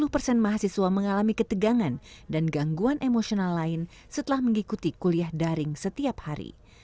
tujuh puluh persen mahasiswa mengalami ketegangan dan gangguan emosional lain setelah mengikuti kuliah daring setiap hari